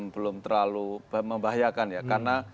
belum terlalu membahayakan